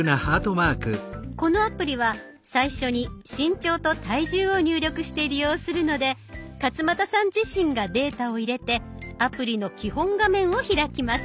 このアプリは最初に身長と体重を入力して利用するので勝俣さん自身がデータを入れてアプリの基本画面を開きます。